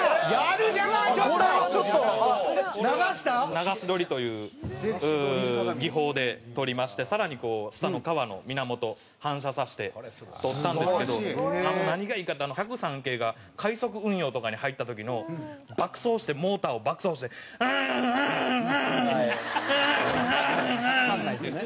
流し撮りという技法で撮りましてさらにこう下の川の水面と反射させて撮ったんですけど何がいいかって１０３系が快速運用とかに入った時の爆走してモーターを爆走して「ウーンウーンウーン！ウーンウーンウーン！」っていうね